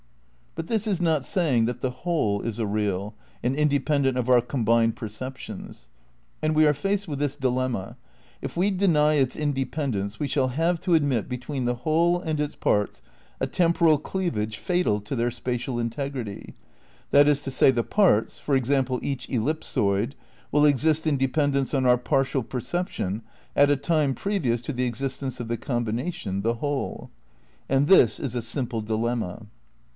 But this is not saying that the whole is a real, and in dependent of our combined perceptions. And we are faced with this dilemma: If we deny its independence we shall have to admit between the whole and its parts a temporal cleavage fatal to their spatial integrity; that is to say, the parts — for example, each ellipsoid — will exist in dependence on our partial perception at a time previous to the existence of the combination, the whole. And this is a simple dilemma.